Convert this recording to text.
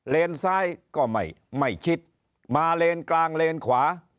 เลนซ้ายก็ไม่ไม่คิดมาเลนกลางเลนขวา